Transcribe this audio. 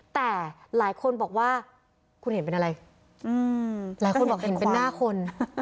แต่หลายคนบอกว่าคุณเห็นเป็นอะไรหลายคนบอกเห็นเป็นหน้าคน